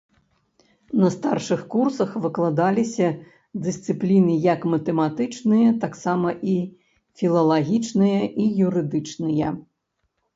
На старшых курсах выкладаліся дысцыпліны як матэматычныя, таксама і філалагічныя і юрыдычныя.